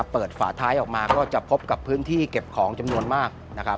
ฝาท้ายออกมาก็จะพบกับพื้นที่เก็บของจำนวนมากนะครับ